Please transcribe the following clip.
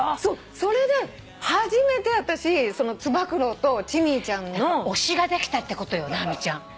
それで初めて私つば九郎とＣＨＩＭＭＹちゃんの。推しができたってことよ直美ちゃん。